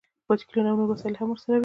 بایسکلونه او نور وسایل هم ورسره وي